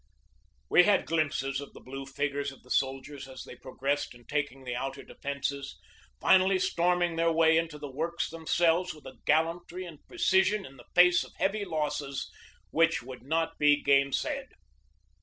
We had glimpses of the blue figures of the sol diers as they progressed in taking the outer defences, finally storming their way into the works themselves with a gallantry and precision in the face of heavy losses which would not be gainsaid.